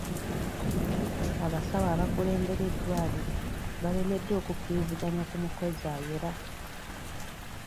Abasawo abakulembera eddwaliro balemereddwa okukkiriziganya ku mukozi ayera.